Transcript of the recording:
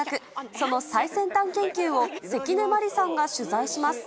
その最先端研究を関根麻里さんが取材します。